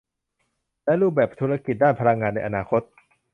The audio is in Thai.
และรูปแบบธุรกิจด้านพลังงานในอนาคต